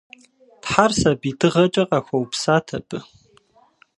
Тхьэр сабий дыгъэкӏэ къахуэупсат абы.